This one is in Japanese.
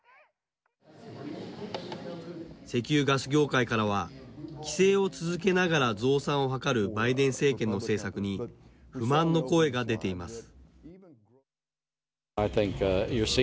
石油・ガス業界からは規制を続けながら増産を図るバイデン政権の政策に不満の声が出ています。